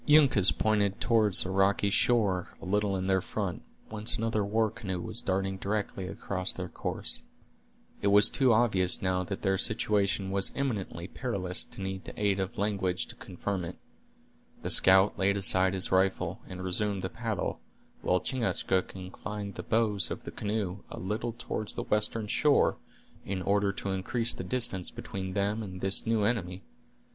Uncas pointed toward a rocky shore a little in their front, whence another war canoe was darting directly across their course. It was too obvious now that their situation was imminently perilous to need the aid of language to confirm it. The scout laid aside his rifle, and resumed the paddle, while Chingachgook inclined the bows of the canoe a little toward the western shore, in order to increase the distance between them and this new enemy.